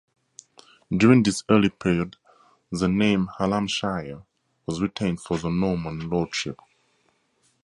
During this early period, the name Hallamshire was retained for the Norman lordship.